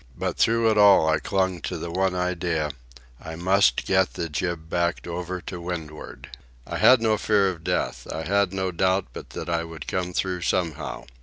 But through it all I clung to the one idea—I must get the jib backed over to windward. I had no fear of death. I had no doubt but that I should come through somehow.